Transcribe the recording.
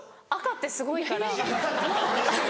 赤ってすごいから」。